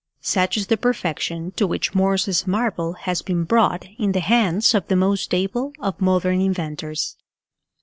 Such is the perfection to which Morse's marvel has been brought in the hands of the most able of modern inventors.